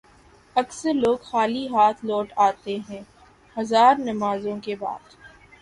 اکثر لوگ خالی ہاتھ لوٹ آتے ہیں ہزار نمازوں کے بعد